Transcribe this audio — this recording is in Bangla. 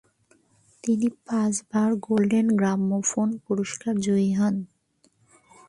তিনি পাঁচবার গোল্ডেন গ্রামোফোন পুরস্কার জয়ী হন।